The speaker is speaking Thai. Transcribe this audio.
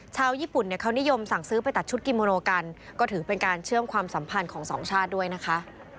ชาวญี่ปุ่นเนี่ยเขานิยมสั่งซื้อไปตัดชุดกิโมโนกันก็ถือเป็นการเชื่อมความสัมพันธ์ของสองชาติด้วยนะคะ